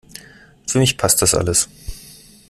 Für mich passt das alles.